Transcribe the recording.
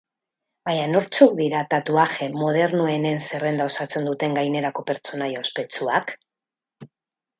Baina nortzuk dira tatuaje modernoenen zerrenda osatzen duten gainerako pertsonaia ospetsuak?